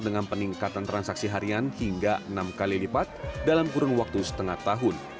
dengan peningkatan transaksi harian hingga enam kali lipat dalam kurun waktu setengah tahun